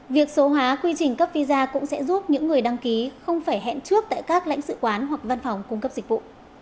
việc số hóa quy trình cấp visa cũng sẽ giúp những người đăng ký không phải hẹn trước tại các lãnh sự quán hoặc văn phòng cung cấp dịch vụ